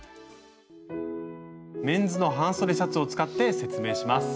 メンズの半袖シャツを使って説明します。